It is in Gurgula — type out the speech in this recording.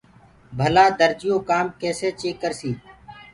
ڀلآ درجيو ڪآم ڪيسي چيڪ ڪرسي